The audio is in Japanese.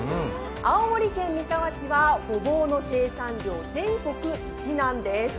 青森県三沢市はごぼうの生産量全国一なんです。